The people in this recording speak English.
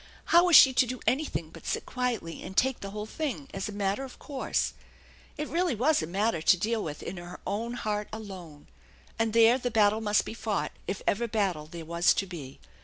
How was she to do anything but sit quietly and take the whole thing as a matter of course ? It really was a matter to deal with in her own heart alone. And there the battle must be fought if ever battle there was to be.